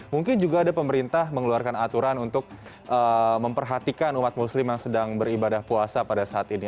mungkin juga ada pemerintah mengeluarkan aturan untuk memperhatikan umat muslim yang sedang beribadah puasa pada saat ini